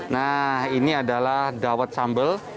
nah ini adalah dawet sambal